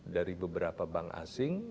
dari beberapa bank asing